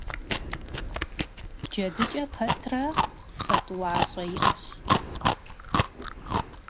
Cedıç'e petre fe t'uaş'e yi'eş.